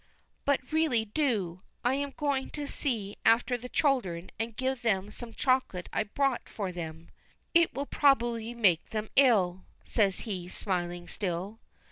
"But really do! I am going to see after the children, and give them some chocolate I bought for them." "It will probably make them ill," says he, smiling still.